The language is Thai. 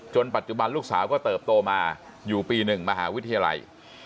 ปัจจุบันลูกสาวก็เติบโตมาอยู่ปี๑มหาวิทยาลัย